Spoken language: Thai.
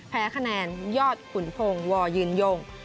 แพ้คะแนนยอดขุนพงศ์วอยืนยง